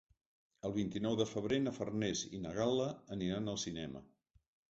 El vint-i-nou de febrer na Farners i na Gal·la aniran al cinema.